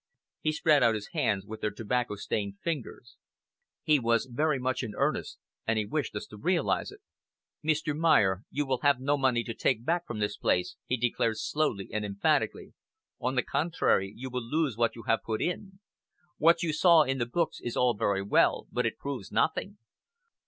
He spread out his hands, with their tobacco stained fingers. He was very much in earnest, and he wished us to realize it. "Mr. Mayer, you will have no money to take back from this place," he declared slowly and emphatically. "On the contrary, you will lose what you have put in. What you saw in the books is all very well, but it proves nothing.